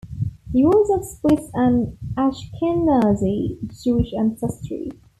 He was of Swiss and Ashkenazi Jewish ancestry.